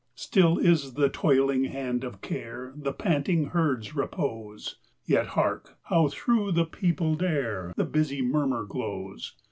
Still is the toiling hand of Care; The panting herds repose: Yet hark, how thro' the peopled air The busy murmur glows!